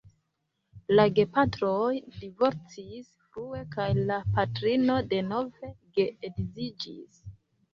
La gepatroj divorcis frue kaj la patrino denove geedziĝis.